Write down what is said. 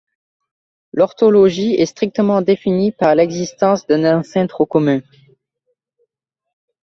L'orthologie est strictement définie par l'existence d'un ancêtre commun.